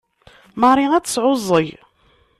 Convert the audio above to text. Marie ad tesɛuẓẓeg.